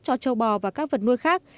cho trâu bò và các vật nuôi khác